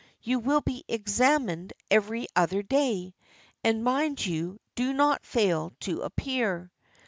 You will be examined every other day, and mind you do not fail to appear!"